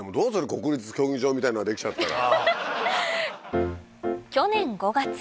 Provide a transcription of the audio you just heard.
国立競技場みたいなのが出来ちゃったら。